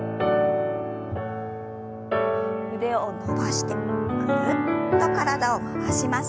腕を伸ばしてぐるっと体を回します。